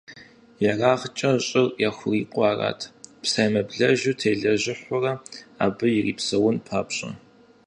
ЕрагъкӀэ щӏыр яхурикъуу арат, псэемыблэжу телэжьыхьурэ абы ирипсэун папщӀэ.